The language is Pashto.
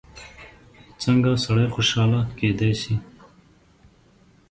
څنګه سړی خوشحاله کېدای شي؟